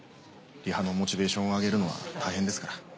リハのモチベーションを上げるのは大変ですから。